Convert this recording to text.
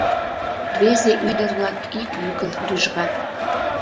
Рвезе-ӱдыр-влак ик йӱкын рӱжгат: